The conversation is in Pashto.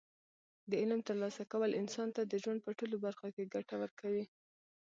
د علم ترلاسه کول انسان ته د ژوند په ټولو برخو کې ګټه ورکوي.